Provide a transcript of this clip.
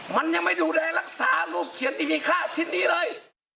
มันยังไม่ดูแลรักษาลูกเขียนที่มีค่าชิ้นนี้เลย